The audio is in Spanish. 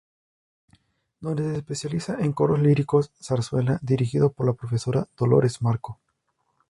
Donde se especializa en coros líricos y zarzuela, dirigido por la profesora Dolores Marco.